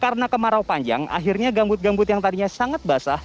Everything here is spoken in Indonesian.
karena kemarau panjang akhirnya gambut gambut yang tadinya sangat jauh